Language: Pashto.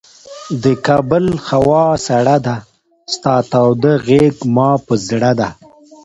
د کابل هوا سړه ده، ستا توده غیږ مه په زړه ده